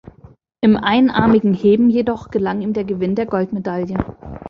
Im einarmigen Heben jedoch gelang ihm der Gewinn der Goldmedaille.